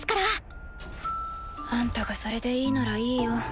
・ウィーンあんたがそれでいいならいいよ。